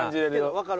分かる。